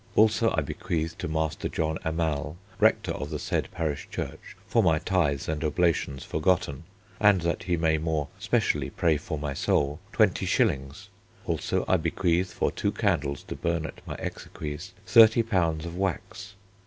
Also I bequeath to Master John Amall, Rector of the said parish church for my tithes and oblations forgotten, and that he may more specially pray for my soul, 20s. Also I bequeath for two candles to burn at my exequies 30 lbs. of wax.